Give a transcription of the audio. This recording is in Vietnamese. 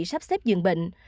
sắp xếp dường bệnh